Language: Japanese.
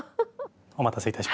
お待たせいたしました。